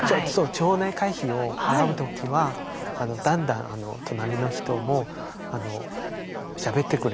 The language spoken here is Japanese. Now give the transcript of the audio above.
町内会費を払う時はだんだん隣の人もしゃべってくれて。